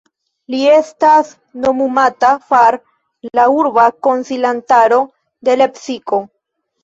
Li estas nomumata far la urba konsilantaro de Lepsiko.